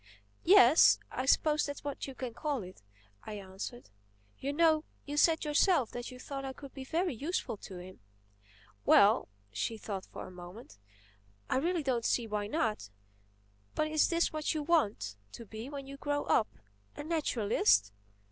"Yes. I suppose that's what you call it," I answered. "You know you said yourself that you thought I could be very useful to him." "Well"—she thought a moment—"I really don't see why not. But is this what you want to be when you grow up, a naturalist?"